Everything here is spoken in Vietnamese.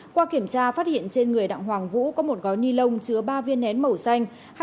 qua kiểm tra phát hiện trên người đặng hoàng vũ có một gói ni lông chứa ba viên nén màu xanh